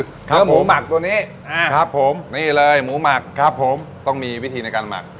เนื้อหมูหมักตัวนี้ครับผมนี่เลยหมูหมักครับผมต้องมีวิธีในการหมัก